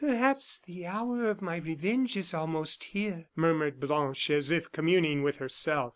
"Perhaps the hour of my revenge is almost here," murmured Blanche, as if communing with herself.